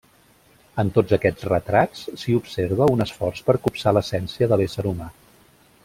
En tots aquests retrats s'hi observa un esforç per copsar l'essència de l'ésser humà.